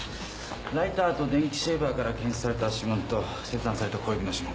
ライターと電気シェーバーから検出された指紋と切断された小指の指紋。